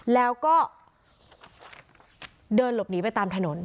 แล้วก็เดินหลบหนีไปตามถนน